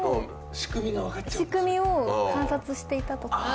仕組みを観察していた。